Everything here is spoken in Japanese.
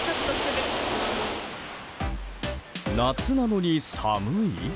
夏なのに寒い？